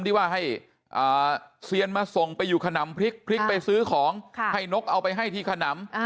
ที่ว่าให้เซียนมาส่งไปอยู่ขนำพริกพริกไปซื้อของให้นกเอาไปให้ที่ขนำ